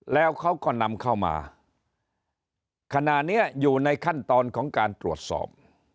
แล้วเขาก็นำเข้ามาขณะนี้อยู่ในขั้นตอนของการตรวจสอบ